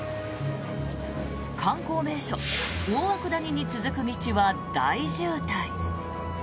観光名所・大涌谷に続く道は大渋滞。